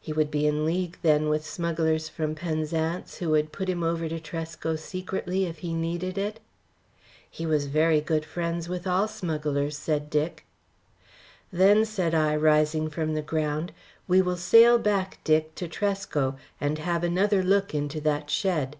He would be in league, then, with smugglers from Penzance, who would put him over to Tresco secretly, if he needed it?" "He was very good friends with all smugglers," said Dick. "Then," said I, rising from the ground, "we will sail back, Dick, to Tresco, and have another look into that shed."